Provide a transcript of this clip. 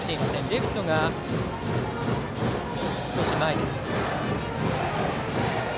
レフトが少し前です。